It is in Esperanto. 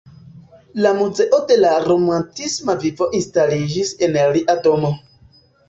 La Muzeo de la romantisma vivo instaliĝis en lia domo.